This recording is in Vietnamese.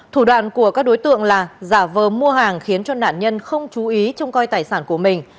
thủ đoạn của các đối tượng là giả vờ mua hàng khiến cho nạn nhân không chú ý trông coi tài sản của mình